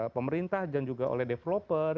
pemerintah dan juga oleh developer